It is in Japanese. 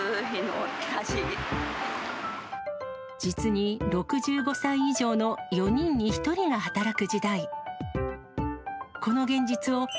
実に６５歳以上の４人に１人が働く時代。